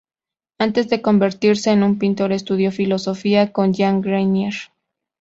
Antes de convertirse en un pintor estudió filosofía con Jean Grenier.